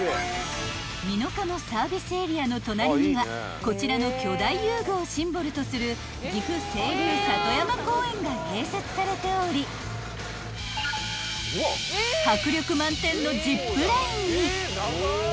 ［美濃加茂サービスエリアの隣にはこちらの巨大遊具をシンボルとするぎふ清流里山公園が併設されており迫力満点の］